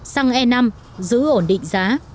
xăng e năm giữ ổn định giá